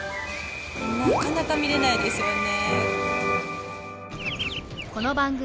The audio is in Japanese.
なかなか見れないですよね。